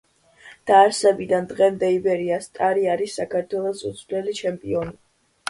დაარსებიდან დღემდე იბერია სტარი არის საქართველოს უცვლელი ჩემპიონი.